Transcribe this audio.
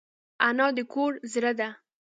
انا د کور زړه ده